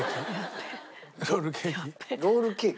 ロールケーキ。